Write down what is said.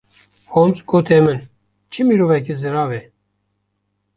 Holmes, gote min: Çi mirovekî zirav e.